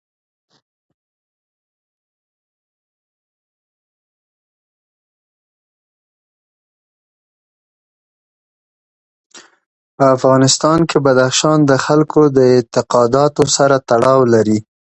په افغانستان کې بدخشان د خلکو د اعتقاداتو سره تړاو لري.